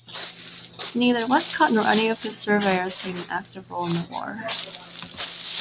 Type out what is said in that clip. Neither Westcott nor any of his surveyors played an active role in the war.